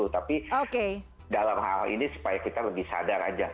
tapi dalam hal ini supaya kita lebih sadar aja